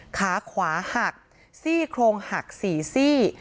ขาขวาหักซี่โครงหัก๔ซี่